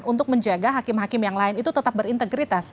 untuk menjaga hakim hakim yang lain itu tetap berintegritas